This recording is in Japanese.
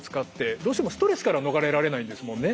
どうしてもストレスから逃れられないんですもんね